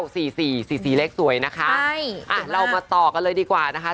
สีเลขสวยนะคะเรามาต่อกันเลยดีกว่านะคะ